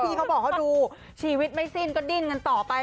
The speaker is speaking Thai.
เขาบอกเขาดูชีวิตไม่สิ้นก็ดิ้นกันต่อไป